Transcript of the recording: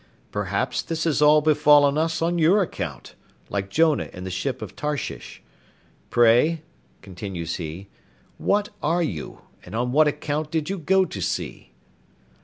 Perhaps this has all befallen us on your account, like Jonah in the ship of Tarshish. Pray," continues he, "what are you; and on what account did you go to sea?"